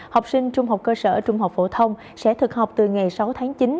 học sinh trung học cơ sở trung học phổ thông sẽ thực học từ ngày sáu tháng chín